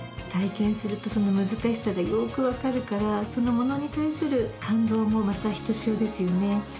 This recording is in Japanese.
体験するとその難しさがよーく分かるからそのものに対する感動もまたひとしおですよね。